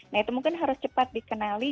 nah itu mungkin harus cepat dikenali